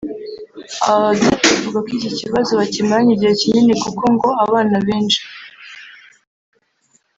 Aba babyeyi bavuga ko iki kibazo bakimaranye igihe kinini kuko ngo abana benshi